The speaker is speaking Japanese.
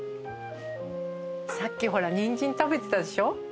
さっきほらニンジン食べてたでしょ？